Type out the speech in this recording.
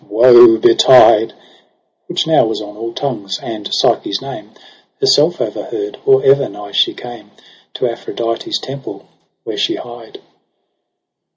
Woe betide ! Which now was on all tongues, and Psyche's name Herself o'erheard, or ever nigh she came To Aphrodite's temple where she hied.